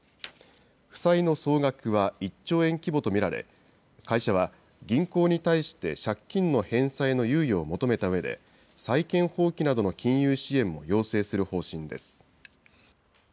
負債の総額は１兆円規模と見られ、会社は、銀行に対して借金の返済の猶予を求めたうえで、債権放棄などの金融支援も要請する方針です。